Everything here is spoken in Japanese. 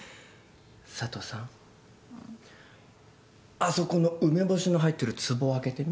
あそこの梅干しの入ってるつぼ開けてみ。